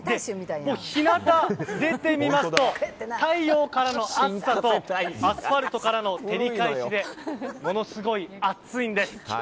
日向に出てみますと太陽からの暑さとアスファルトからの照り返しでものすごい暑いんです。